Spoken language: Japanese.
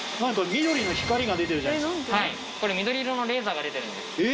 はいこれ緑色のレーザーが出てるんです。